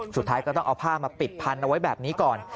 สุดท้ายก็ต้องเอาผ้ามาปิดพันเอาไว้แบบนี้ก่อน